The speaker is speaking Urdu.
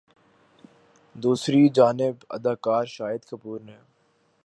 دوسری جانب اداکار شاہد کپور نے